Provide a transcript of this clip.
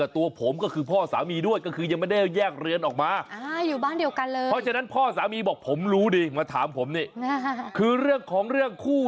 ตัวสามีบอกไม่รู้